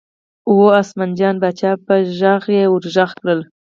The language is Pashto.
وه عثمان جان پاچا په غږ یې ور غږ کړل.